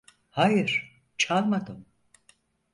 Hayır, çalmadım.